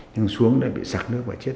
nhưng xuống là bị sạc nước và chết